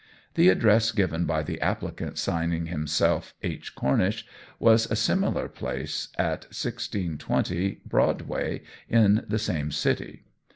The address given by the applicant signing himself "H. Cornish," was a similar place at 1,620, Broadway, in the same city.